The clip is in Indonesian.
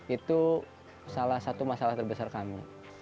itu salah satu masalah terbesar kami